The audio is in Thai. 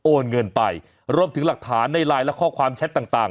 โอนเงินไปรวมถึงหลักฐานในไลน์และข้อความแชทต่าง